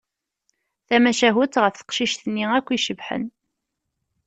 Tamacahut ɣef teqcict-nni akk icebḥen.